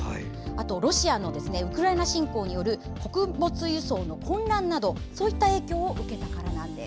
ロシアのウクライナ侵攻による穀物輸送の混乱などの影響を受けたからなんです。